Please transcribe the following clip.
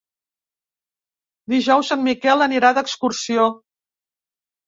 Dijous en Miquel anirà d'excursió.